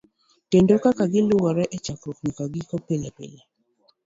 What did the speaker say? kendo kaka giluwore e chakruok nyaka giko pilepile.